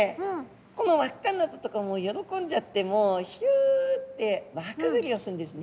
この輪っかになったとこ喜んじゃってもうひゅって輪くぐりをするんですね。